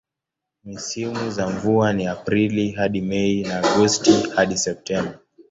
Misimu za mvua ni Aprili hadi Mei na Agosti hadi Septemba.